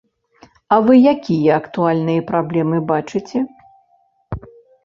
А вы якія актуальныя праблемы бачыце?